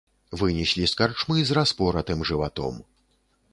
Вынеслі з карчмы з распоратым жыватом.